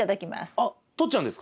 あっとっちゃうんですか？